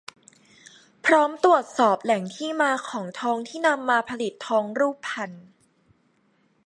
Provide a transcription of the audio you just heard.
พร้อมตรวจสอบแหล่งที่มาของทองที่นำมาผลิตทองรูปพรรณ